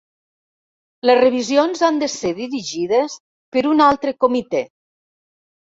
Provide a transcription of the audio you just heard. Les revisions han de ser dirigides per un altre comitè.